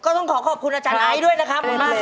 ก็ต้องขอขอบคุณอาจารย์ไอ้ด้วยนะครับ